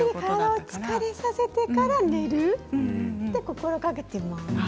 体を疲れさせてから寝ることを心がけています。